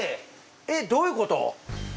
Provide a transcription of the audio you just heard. えっどういうこと！？